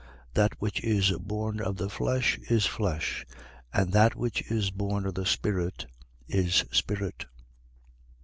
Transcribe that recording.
That which is born of the flesh is flesh: and that which is born of the Spirit is spirit.